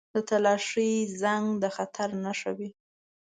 • د تالاشۍ زنګ د خطر نښه وي.